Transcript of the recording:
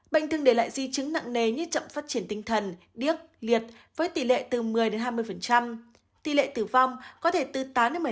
bệnh thường để lại di chứng nặng nề như chậm phát triển tinh thần điếc liệt với tỷ lệ từ một mươi hai mươi tỷ lệ tử vong có thể từ tám một mươi